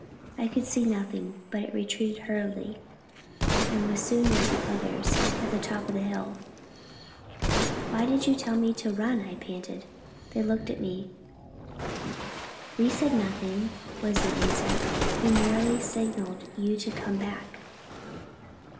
I could see nothing, but retreated hurriedly, and was soon with the others at the top of the hill. "Why did you tell me to run?" I panted. They looked at me. "We said nothing," was the answer; "we merely signalled you to come back."